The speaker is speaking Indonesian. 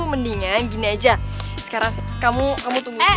mendingan gini aja sekarang kamu tunggu di sini